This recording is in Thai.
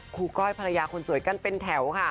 ก้อยภรรยาคนสวยกันเป็นแถวค่ะ